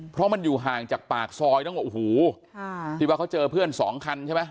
เพราะมันอยู่ห่างจากปากซอยต้องบอกโอ้โหที่ว่าเขาเจอเพื่อนสองคันใช่ไหม